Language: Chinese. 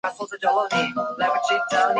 建德四年灭北齐。